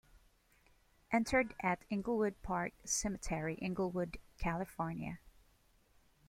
Interred at Inglewood Park Cemetery, Inglewood California.